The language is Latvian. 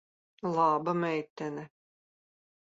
Laba meitene.